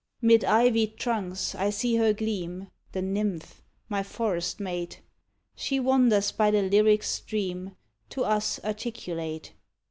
Mid ivied trunks I see her gleam. The nymph, my forest mate; She wanders by the lyric stream, To us articulate.